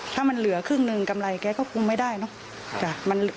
ถ้ามันเหลือครึ่งหนึ่งกำไรแกก็คงไม่ได้เนอะ